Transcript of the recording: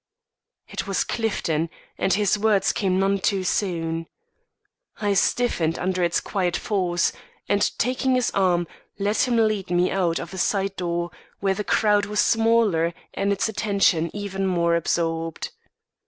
It was Clifton, and his word came none too soon. I stiffened under its quiet force, and, taking his arm, let him lead me out of a side door, where the crowd was smaller and its attention even more absorbed.